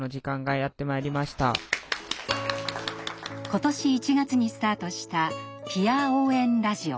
今年１月にスタートしたぴあ応援ラジオ。